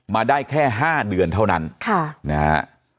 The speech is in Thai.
มาได้แค่ห้าเดือนเท่านั้นค่ะนะฮะอ่า